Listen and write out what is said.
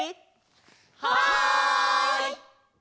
はい！